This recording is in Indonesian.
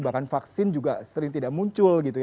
bahkan vaksin juga sering tidak muncul gitu ya